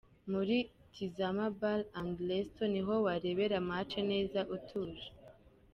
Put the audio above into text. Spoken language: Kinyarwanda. Muri Tizama Bar & Resto niho warebera Match neza utuje.